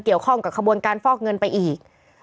เกี่ยวข้องกับขบวนการฟอกเงินไปอีก